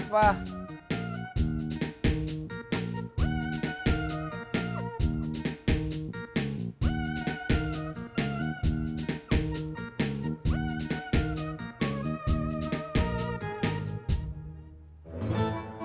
pak odin apa